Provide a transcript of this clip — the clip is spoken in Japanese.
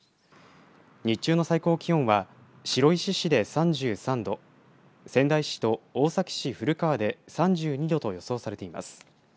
日中の最高気温は白石市で３３度仙台市と大崎市古川で３２度と予想されています。